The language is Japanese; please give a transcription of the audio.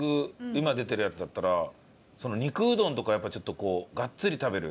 今出てるやつだったら肉うどんとかやっぱりちょっとこうがっつり食べる。